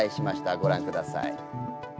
ご覧ください。